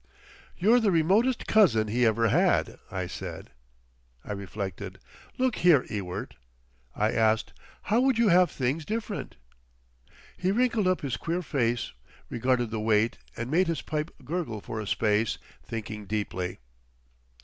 "You're the remotest cousin he ever had," I said. I reflected. "Look here, Ewart," I asked, "how would you have things different?" He wrinkled up his queer face, regarded the wait and made his pipe gurgle for a space, thinking deeply.